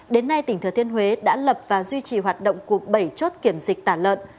đến nay tỉnh thừa thiên huế đã lập và duy trì hoạt động của bảy chốt kiểm dịch tả lợn